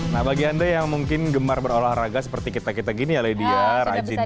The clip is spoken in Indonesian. nah bagi anda yang mungkin gemar berolahraga seperti kita kita gini ya lady ya rajin